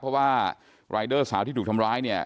เพราะว่ารายเดอร์สาวที่ถูกทำร้ายเนี่ย